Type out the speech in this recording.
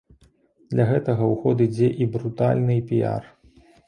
Для гэтага ў ход ідзе і брутальны піяр.